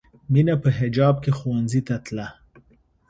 مینه په حجاب کې ښوونځي ته تله